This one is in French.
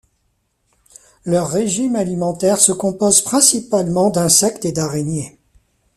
Leur régime alimentaire se compose principalement d'insectes et d'araignées.